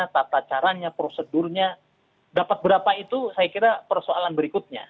tatacaranya prosedurnya dapat berapa itu saya kira persoalan berikutnya